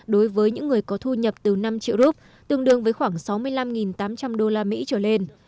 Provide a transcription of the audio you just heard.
đối với những người có thu nhập từ năm triệu rup tương đương với khoảng sáu mươi năm tám trăm linh usd trở lên